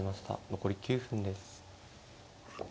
残り９分です。